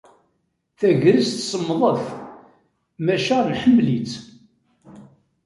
Tagrest semmḍet, maca nḥemmel-itt.